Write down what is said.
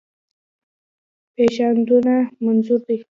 پېشنهادونه منظور دي.